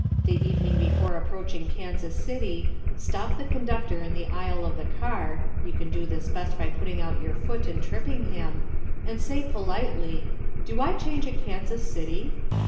The evening before approaching Kansas City, stop the conductor in the aisle of the car (you can do this best by putting out your foot and tripping him), and say politely, "Do I change at Kansas City?"